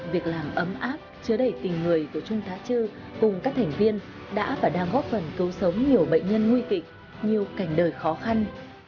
việc làm ấm áp chứa đầy tình người của trung tá chư cùng các thành viên đã và đang góp phần cứu sống nhiều bệnh nhân nguy kịch nhiều cảnh đời khó khăn